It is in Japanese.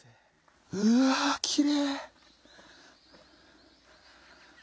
うわきれい！